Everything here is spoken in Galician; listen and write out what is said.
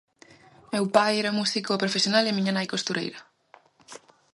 Meu pai era músico profesional e a miña nai costureira.